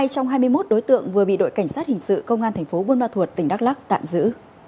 một mươi hai trong hai mươi một đối tượng vừa bị đội cảnh sát hình sự công an tp buôn ma thuột tỉnh đắk lắc tạm giữ